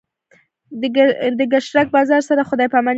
د ګرشک بازار سره خدای پاماني وکړه.